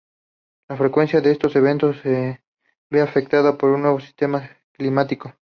La frecuencia de estos eventos se ve afectada por un nuevo sistema climático.